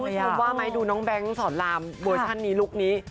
ชมว่าไหมดูน้องแบงค์สอนรามเวอร์ชันนี้ลุคนี้